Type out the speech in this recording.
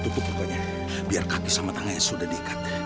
jadi kamu tutup rupanya biar kaki sama tangan yang sudah diikat